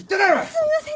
すみません。